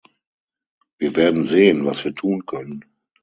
Wir werden sehen, was wir tun können.